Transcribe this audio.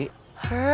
ini mana dia ya